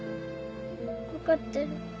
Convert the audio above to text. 分かってる。